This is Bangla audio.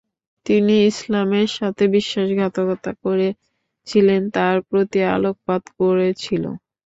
তিনি ইসলামের সাথে বিশ্বাসঘাতকতা করেছিলেন তার প্রতি আলোকপাত করেছিল।